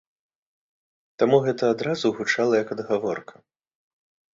Таму гэта адразу гучала як адгаворка.